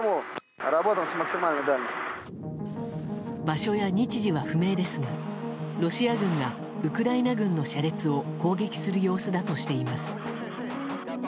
場所や日時は不明ですがロシア軍がウクライナ軍の車列を攻撃する様子だとしています。